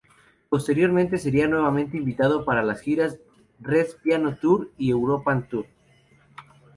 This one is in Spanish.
Posteriormente, sería nuevamente invitado para las giras: "Red Piano Tour" y European Tour.